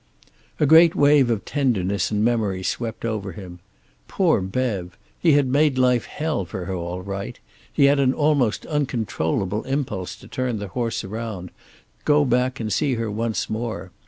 A great wave of tenderness and memory swept over him. Poor Bev! He had made life hell for her, all right. He had an almost uncontrollable impulse to turn the horse around, go back and see her once more.